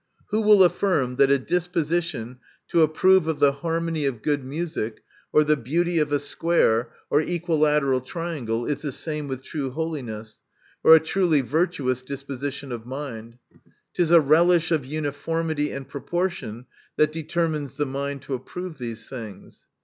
Who will affirm, that a disposition to approve of the harmony of good music, or the beauty of a square, or equilateral triangle, is the same with true holiness, or a truly virtuous disposition of mind ! It is a relish of uniformity and proportion, that determines the mind to approve these things.